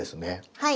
はい。